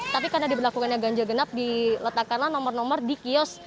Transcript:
tapi karena diberlakukannya ganjil genap diletakkanlah nomor nomor di kios